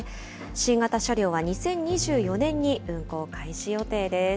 新型車両は２０２４年に運行開始予定です。